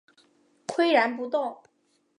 岿然不动